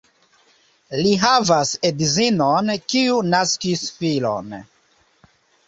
Li havas edzinon, kiu naskis filon.